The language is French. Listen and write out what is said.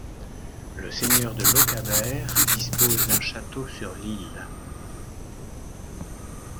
Le seigneur de Lochaber dispose d'un château sur l'île.